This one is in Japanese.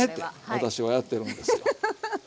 私はやってるんですよ。